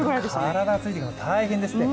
体がついていくのが大変ですね。